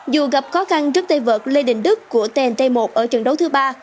dù gặp khó khăn trước tay vợt lê đình đức của tnt một ở trận đấu thứ ba